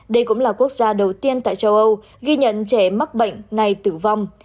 đây cũng là quốc gia đầu tiên tại châu âu ghi nhận trẻ mắc bệnh này tử vong